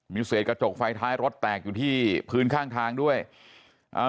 มีเศษกระจกไฟท้ายรถแตกอยู่ที่พื้นข้างทางด้วยอ่า